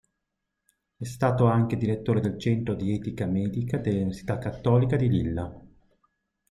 È stato anche direttore del Centro di Etica Medica dell'Università Cattolica di Lilla.